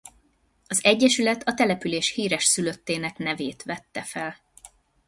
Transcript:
Az egyesület a település híres szülöttének nevét vette fel.